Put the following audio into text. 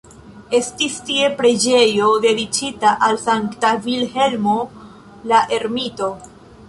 Estis tie preĝejo dediĉita al Sankta Vilhelmo la Ermito.